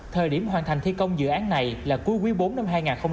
thời điểm hoàn thành thi công dự án này là cuối quý bốn năm hai nghìn hai mươi